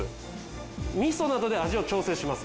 味噌などで味を調整します。